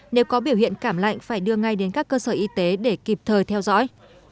nếu có biểu hiện cảm lạnh phải đưa ngay đến các cơ sở y tế để kịp thời theo dõi